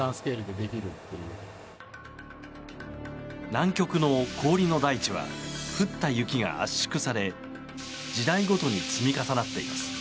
南極の氷の大地は降った雪が圧縮され時代ごとに積み重なっています。